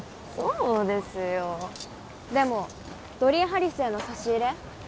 そうですよでもドリーハリスへの差し入れ